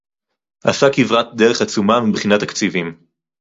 עשה כברת דרך עצומה מבחינת תקציבים